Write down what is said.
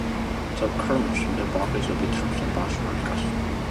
The chairman of the bank is Vitas Vasiliauskas.